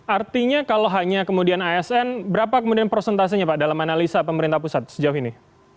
artinya kalau hanya kemudian asn berapa kemudian prosentasenya pak dalam analisa pemerintah pusat sejauh ini